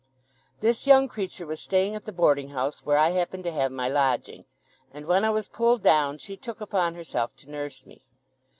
This young creature was staying at the boarding house where I happened to have my lodging; and when I was pulled down she took upon herself to nurse me.